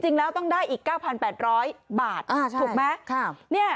จริงแล้วต้องได้อีก๙๘๐๐บาทถูกไหม